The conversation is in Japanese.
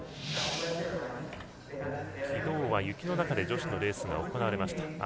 昨日は雪の中で女子のレースが行われました。